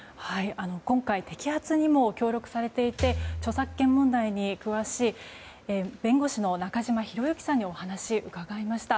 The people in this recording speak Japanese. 今回、摘発にも協力されていて著作権問題に詳しい弁護士の中島博之さんにお話を伺いました。